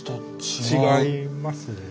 違います